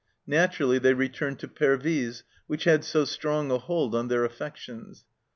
Naturally they returned to Pervyse, which had so strong a hold on their affections.